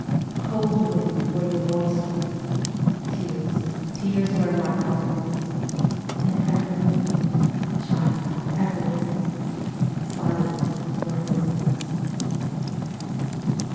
Cold wind where your voice was, Tears, tears where my heart was, And ever with me, Child, ever with me, Silence where hope was.